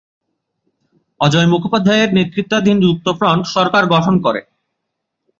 অজয় মুখোপাধ্যায়ের নেতৃত্বাধীন যুক্তফ্রন্ট সরকার গঠন করে।